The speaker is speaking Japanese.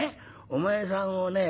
お前さんをね